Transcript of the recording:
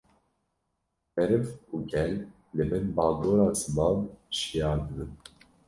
meriv û gel li bin bandora ziman şiyar dibin